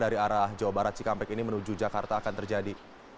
dari arah jawa barat cikampek ini menuju jakarta akan terjadi